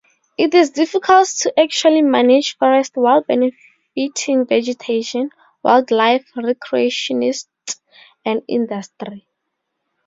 It is difficult to actually manage forest while benefiting vegetation, wildlife, recreationists, and industry.